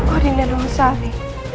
odin dan rosali